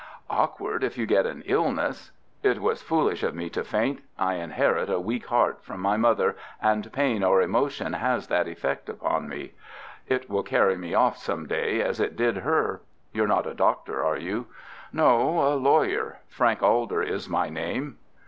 "Awkward if you get an illness." "It was foolish of me to faint. I inherit a weak heart from my mother, and pain or emotion has that effect upon me. It will carry me off some day, as it did her. You're not a doctor, are you?" "No, a lawyer. Frank Alder is my name."